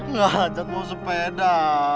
nggak jatuh sepeda